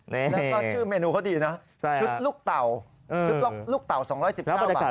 วันชื่อเมนูเขาดีชุดรุกเต่า